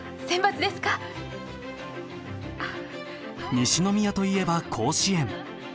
西宮といえば甲子園。